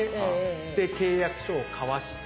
で契約書を交わして。